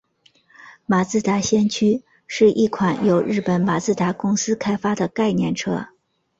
马自达先驱是一款由日本马自达公司开发的概念车。